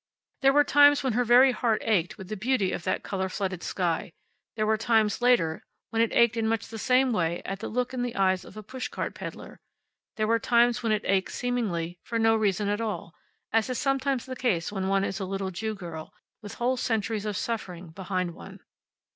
There were times when her very heart ached with the beauty of that color flooded sky; there were times, later, when it ached in much the same way at the look in the eyes of a pushcart peddler; there were times when it ached, seemingly, for no reason at all as is sometimes the case when one is a little Jew girl, with whole centuries of suffering behind one.